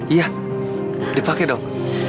iya dipakai dong